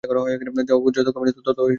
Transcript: দেহবোধ যত কম আসে ততই ভাল।